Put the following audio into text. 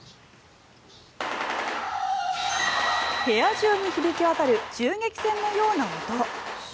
部屋中に響き渡る銃撃戦のような音。